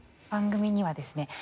番組にはですね